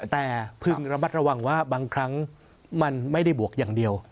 แต่พึงระมัดระวังว่าบางครั้งมันไม่ได้บวกอย่างเดียว